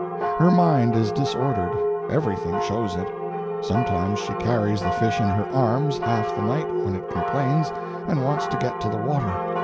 Her mind is disordered everything shows it. Sometimes she carries the fish in her arms half the night when it complains and wants to get to the water.